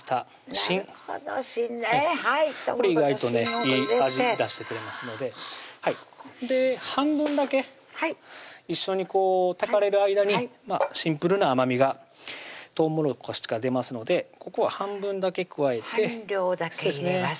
芯なるほど芯ねこれ意外とねいい味出してくれますので半分だけ一緒に炊かれる間にシンプルな甘みがとうもろこしから出ますのでここは半分だけ加えて半量だけ入れます